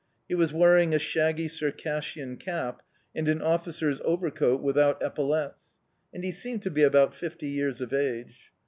He was wearing a shaggy Circassian cap and an officer's overcoat without epaulettes, and he seemed to be about fifty years of age.